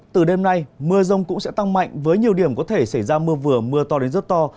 từ đêm nay mưa rông cũng sẽ tăng mạnh với nhiều điểm có thể xảy ra mưa vừa mưa to đến rất to